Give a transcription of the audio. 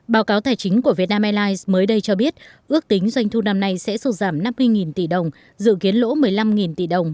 báo cáo tài chính của vietnam airlines mới đây cho biết ước tính doanh thu năm nay sẽ sụt giảm năm mươi tỷ đồng dự kiến lỗ một mươi năm tỷ đồng